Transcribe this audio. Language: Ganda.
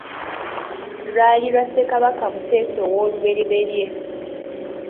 Lwali lwa Ssekabaka Muteesa ow'oluberyeberye.